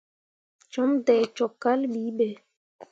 Cum dai cok kal bi be.